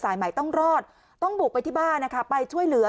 ใหม่ต้องรอดต้องบุกไปที่บ้านนะคะไปช่วยเหลือ